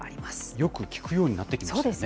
よく聞くようになってきましたよね。